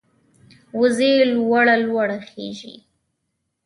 وزې لوړه لوړه خېژي